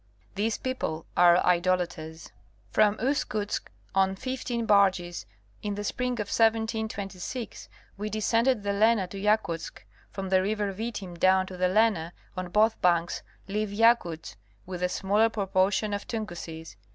These people are idolaters. From Uskutsk on fifteen barges, in the spring of 1726, we descended the Lena to Yakutsk. From the river Vitim down to the Lena, on both banks live Yakuts with a smaller proportion of Tunguses.